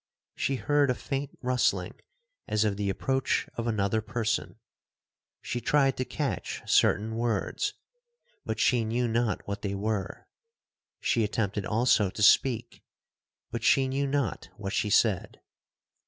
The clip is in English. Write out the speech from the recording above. She heard a faint rustling as of the approach of another person,—she tried to catch certain words, but she knew not what they were,—she attempted also to speak, but she knew not what she said.